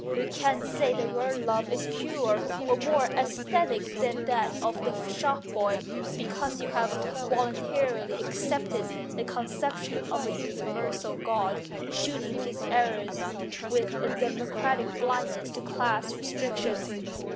You can't say that your love is purer or more aesthetic than that of the shopboy, because you have voluntarily accepted the conception of a universal god, shooting his arrows with a democratic blindness to class restrictions.